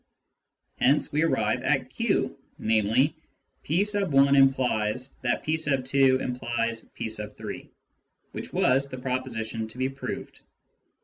Hence we arrive at q, namely, " p x implies that p 2 implies p 3 ," which was the proposition to be proved.